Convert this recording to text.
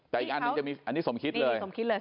แต่อีกอันนึงจะมีอันนี้สมคิตเลย